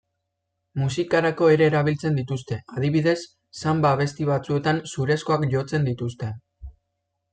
Musikarako ere erabiltzen dituzte, adibidez, sanba-abesti batzuetan zurezkoak jotzen dituzte.